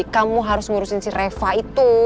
kamu harus ngurusin si reva itu